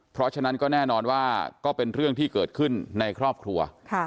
เพราะฉะนั้นก็แน่นอนว่าก็เป็นเรื่องที่เกิดขึ้นในครอบครัว